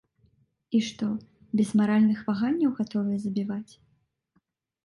І што, без маральных ваганняў гатовыя забіваць?